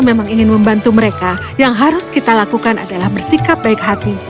memang ingin membantu mereka yang harus kita lakukan adalah bersikap baik hati